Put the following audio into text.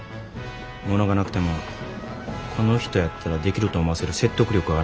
物がなくてもこの人やったらできると思わせる説得力があらなあかん。